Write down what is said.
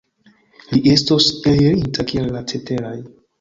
Li estos elirinta kiel la ceteraj.